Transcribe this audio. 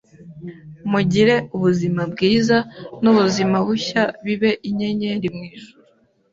Mugire Ubuzima bwiza nubuzima bushya bibe inyenyeri mwijuru